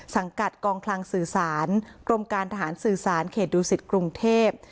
สังกัดกองคลังสื่อสารกรมการทหารสื่อสารเขตดูสิตกรุงเทพ